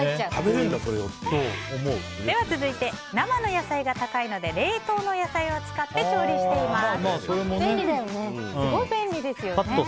続いて生の野菜が高いので冷凍の野菜を使って調理しています。